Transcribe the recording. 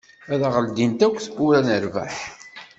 Ad aɣ-d-ldint akk tewwura n rrbeḥ.